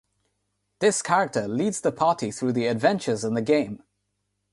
This character leads the party through the adventures in the game.